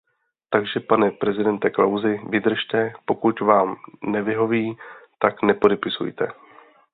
Takže pane prezidente Klausi, vydržte; pokud vám nevyhoví, tak nepodepisujte.